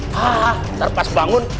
nanti pas bangun